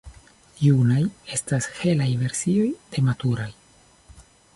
Junaj estas helaj versioj de maturaj.